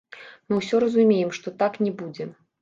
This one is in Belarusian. Мы ўсе разумеем, што так не будзе.